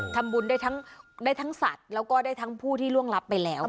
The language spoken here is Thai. ทำบุญได้ทั้งสัตว์แล้วก็ได้ทั้งผู้ที่ล่วงรับไปแล้ว